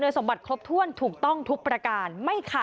ทีนี้จากรายทื่อของคณะรัฐมนตรี